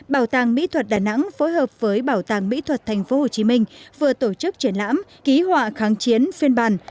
bảo tàng mỹ thuật đà nẵng phối hợp với bảo tàng mỹ thuật tp hcm vừa tổ chức triển lãm ký họa kháng chiến phiên bàn